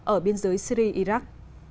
ở biên giới syri iraq